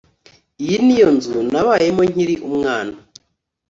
Iyi ni yo nzu nabayemo nkiri umwana